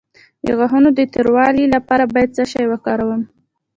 د غاښونو د توروالي لپاره باید څه شی وکاروم؟